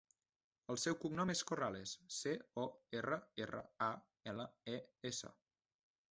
El seu cognom és Corrales: ce, o, erra, erra, a, ela, e, essa.